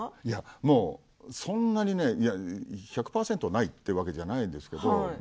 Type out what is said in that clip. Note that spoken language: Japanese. いやもうそんなにね１００％ないというわけじゃないですけど。